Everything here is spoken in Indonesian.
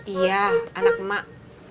iya anak emak